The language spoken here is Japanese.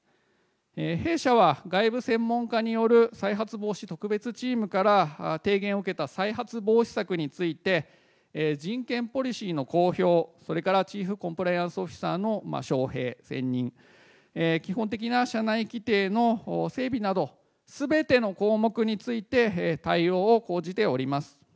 弊社は外部専門家による再発防止特別チームから提言を受けた再発防止策について、人権ポリシーの公表、それからチーフコンプライアンスオフィサーの招へい、選任、基本的な社内規定の整備など、すべての項目について対応を講じております。